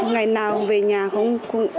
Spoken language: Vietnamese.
ngày nào về nhà không